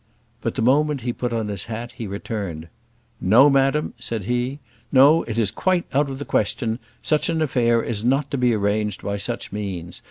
But the moment he put on his hat he returned. "No, madam," said he. "No; it is quite out of the question: such an affair is not to be arranged by such means.